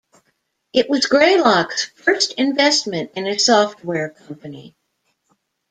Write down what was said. It was Greylock's first investment in a software company.